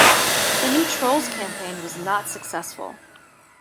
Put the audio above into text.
The new Trollz campaign was not successful.